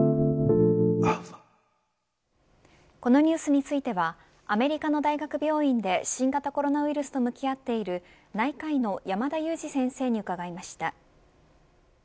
このニュースについてはアメリカの大学病院で新型コロナウイルスと向き合っている内科医の山田悠史先生に伺いました。